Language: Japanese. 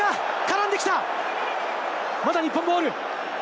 まだ日本ボール！